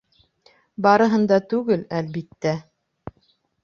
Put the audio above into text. Барыһын да түгел, әлбиттә.